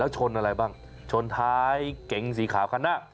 จักรท้ายเก๋งสีขาวในหน้า